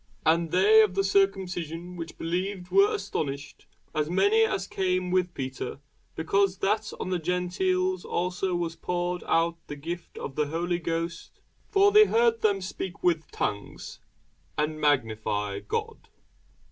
And they of the circumcision which believed were astonished, as many as came with Peter, because that on the Gentiles also was poured out the gift of the Holy Ghost. For they heard them speak with tongues, and magnify God.